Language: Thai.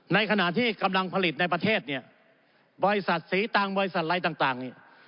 ในขณะที่กำลังผลิตในประเทศเนี่ยบริษัทสีตังบริษัทอะไรต่างเนี่ย